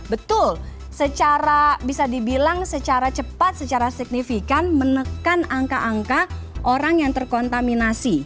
betul secara bisa dibilang secara cepat secara signifikan menekan angka angka orang yang terkontaminasi